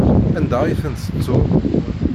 Anda ay tent-tettuḍ?